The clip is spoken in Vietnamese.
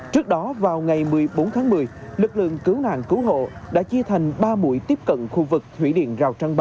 trước đó vào ngày một mươi bốn tháng một mươi lực lượng cứu nạn cứu hộ đã chia thành ba mũi tiếp cận khu vực thủy điện rào trăng ba